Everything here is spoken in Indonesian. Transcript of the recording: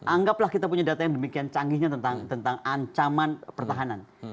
anggaplah kita punya data yang demikian canggihnya tentang ancaman pertahanan